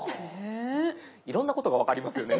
いろんなことが分かりますよね